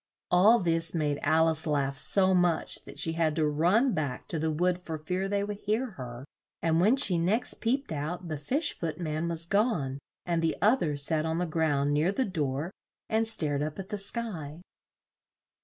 All this made Al ice laugh so much that she had to run back to the wood for fear they would hear her, and when she next peeped out the Fish Foot man was gone, and the oth er sat on the ground near the door and stared up at the sky.